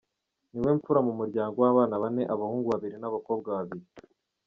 Ni we mfura mu muryango w’abana bane, abahungu babiri n’abakobwa babiri.